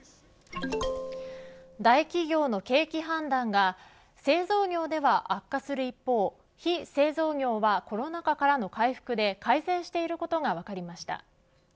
大企業の景気判断が製造業では悪化する一方非製造業はコロナ禍からの回復で改善していることが分かりました。